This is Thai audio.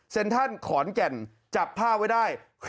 เซ็นทรัลขอนแก่นจับภาพไว้ได้